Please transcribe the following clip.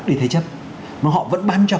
đi thế chấp nhưng họ vẫn bán cho